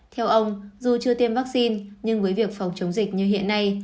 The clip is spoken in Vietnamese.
theo ông dù chưa tiêm vaccine nhưng với việc phòng chống dịch như hiện nay